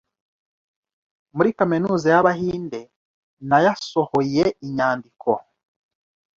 muri kaminuza ya bahinde nayasohoye inyandiko-